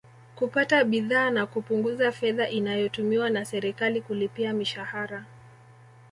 Kupata bidhaa na kupunguza fedha inayotumiwa na serikali kulipia mishahara